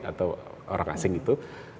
atau orang asing itu